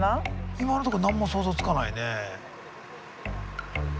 今のところ何も想像つかないね。